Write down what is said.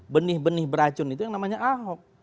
benih benih beracun itu yang namanya ahok